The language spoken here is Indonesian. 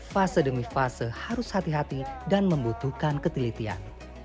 fase demi fase harus hati hati dan membutuhkan ketelitian